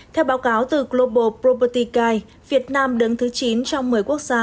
theo báo cáo từ global property guide việt nam đứng thứ chín trong một mươi quốc gia